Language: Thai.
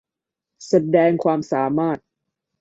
แสดงความสามารถ